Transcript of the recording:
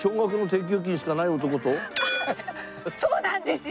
あんなそうなんですよ。